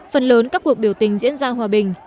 phần lớn các cuộc biểu tình diễn ra hòa bình